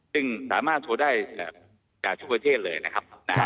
ซึ่งสามารถโทรได้จากทุกประเทศเลยนะครับ